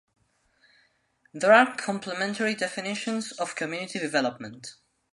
There are complementary definitions of community development.